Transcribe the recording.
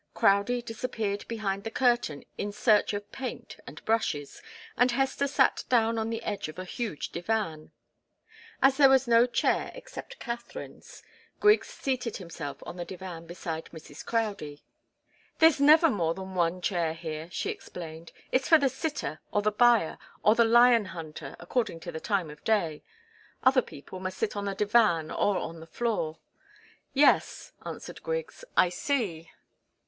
Crowdie disappeared behind the curtain in search of paint and brushes, and Hester sat down on the edge of a huge divan. As there was no chair except Katharine's, Griggs seated himself on the divan beside Mrs. Crowdie. "There's never more than one chair here," she explained. "It's for the sitter, or the buyer, or the lion hunter, according to the time of day. Other people must sit on the divan or on the floor." "Yes," answered Griggs. "I see."